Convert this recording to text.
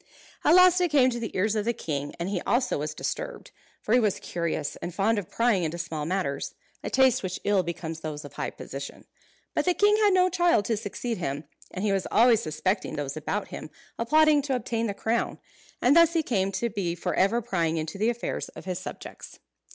At last it came to the ears of the king, and he also was disturbed. For he was curious, and fond of prying into small matters; a taste which ill becomes those of high position. But the king had no child to succeed him; and he was always suspecting those about him of plotting to obtain the crown, and thus he came to be for ever prying into the affairs of his subjects.